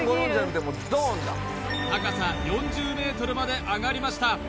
高さ４０ｍまで上がりました